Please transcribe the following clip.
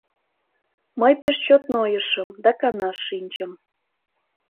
Мый пеш чот нойышым да канаш шинчым.